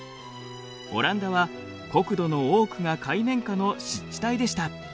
オランダは国土の多くが海面下の湿地帯でした。